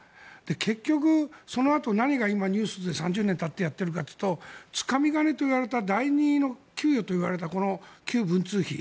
結局、そのあと何がニュースになっているかというとつかみ金と言われた第２の給与といわれた旧文通費。